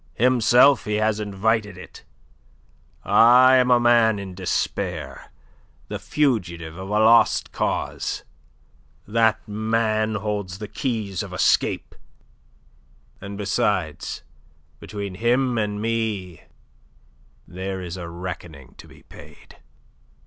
Himself he has invited it. I am a man in despair, the fugitive of a lost cause. That man holds the keys of escape. And, besides, between him and me there is a reckoning to be paid."